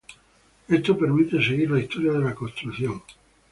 Esto permite seguir la historia de la construcción.